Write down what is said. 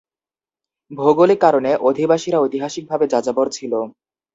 ভৌগোলিক কারণে, অধিবাসীরা ঐতিহাসিকভাবে যাযাবর ছিল।